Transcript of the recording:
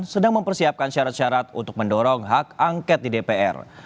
sedang mempersiapkan syarat syarat untuk mendorong hak angket di dpr